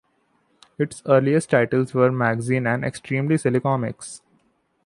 Its earliest titles were "Mangazine" and "Extremely Silly Comics".